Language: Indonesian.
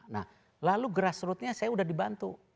nah lalu grassrootnya saya sudah dibantu